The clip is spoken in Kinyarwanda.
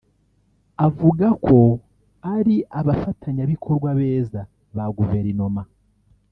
avuga ko ari abafatanyabikorwa beza ba Guverinoma